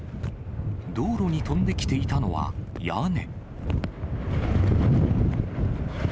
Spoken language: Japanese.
道路に飛んできていたのは屋根。